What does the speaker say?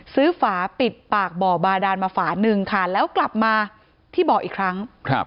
ฝาปิดปากบ่อบาดานมาฝาหนึ่งค่ะแล้วกลับมาที่บ่ออีกครั้ง